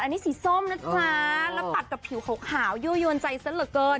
อันนี้สีส้มนะจ๊ะแล้วตัดกับผิวขาวยั่วยวนใจซะเหลือเกิน